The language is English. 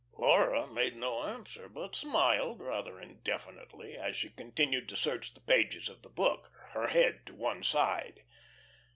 Laura made no answer, but smiled rather indefinitely, as she continued to search the pages of the book, her head to one side.